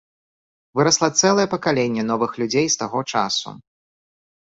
Вырасла цэлае пакаленне новых людзей з таго часу.